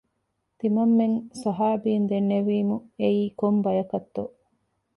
ތިމަންމެން ޞަޙާބީން ދެންނެވީމު، އެއީ ކޮން ބަޔަކަށްތޯ